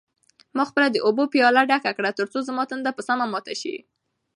ما خپله د اوبو پیاله ډکه کړه ترڅو زما تنده په سمه ماته شي.